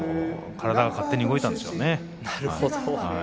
体が勝手に動いたんでしょうね。